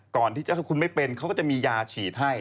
ก่อนที่ถ้าคุณไม่เป็นเขาก็จะมียาฉีดให้